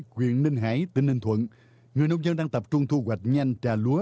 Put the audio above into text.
huyện ninh hải tỉnh ninh thuận người nông dân đang tập trung thu hoạch nhanh trà lúa